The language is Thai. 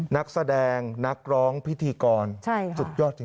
นักแสดงนักร้องพิธีกรสุดยอดจริง